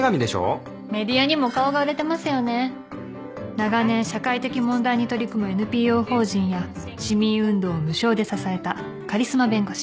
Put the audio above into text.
長年社会的問題に取り組むＮＰＯ法人や市民運動を無償で支えたカリスマ弁護士。